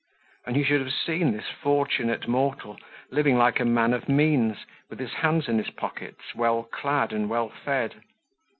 And you should have seen this fortunate mortal, living like a man of means, with his hands in his pockets, well clad and well fed.